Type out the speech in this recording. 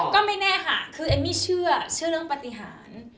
ก็ไม่แน่ค่ะคือเอมมี่เชื่อเรื่องปฏิหาร